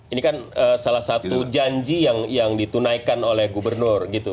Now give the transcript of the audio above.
ini kan salah satu janji yang ditunaikan oleh gubernur gitu